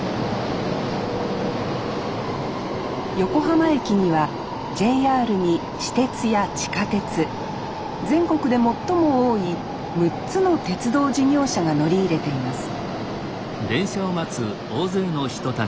横浜駅にはＪＲに私鉄や地下鉄全国で最も多い６つの鉄道事業者が乗り入れています